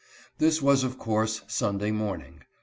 This was of course Sunday morning.